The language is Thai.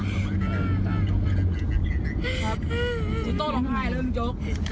ครับจิโตร้องทำไมไปเลิกชก